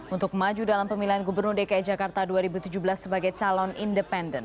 untuk maju dalam pemilihan gubernur dki jakarta dua ribu tujuh belas sebagai calon independen